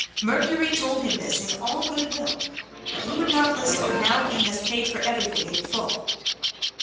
Mercury told him this in all good will but he would not listen, and now he has paid for everything in full."